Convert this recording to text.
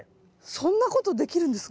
そんなことできるんですか？